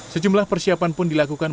sejumlah persiapan pun dilakukan